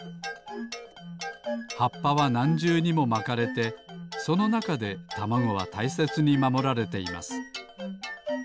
はっぱはなんじゅうにもまかれてそのなかでたまごはたいせつにまもられています